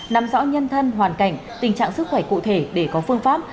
nắm rõ nhân thân hoàn cảnh tình trạng sức khỏe cụ thể để có phương pháp